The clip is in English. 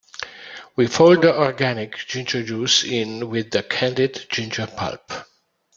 We fold the organic ginger juice in with the candied ginger pulp.